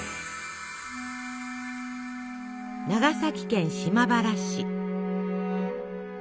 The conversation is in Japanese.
長崎県島原市。